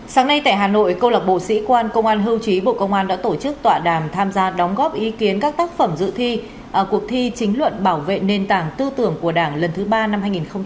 sáng nay tại hà nội câu lạc bộ sĩ quan công an hưu trí bộ công an đã tổ chức tọa đàm tham gia đóng góp ý kiến các tác phẩm dự thi cuộc thi chính luận bảo vệ nền tảng tư tưởng của đảng lần thứ ba năm hai nghìn hai mươi